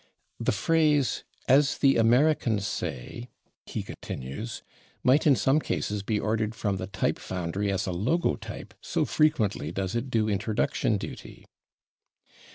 "The phrase, 'as the Americans say,'" he continues, "might in some cases be ordered from the type foundry as a logotype, so frequently does it do introduction duty."